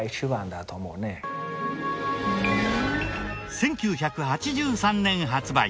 １９８３年発売。